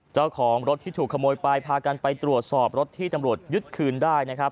เจ้าของรถที่ถูกขโมยไปพากันไปตรวจสอบรถที่ตำรวจยึดคืนได้นะครับ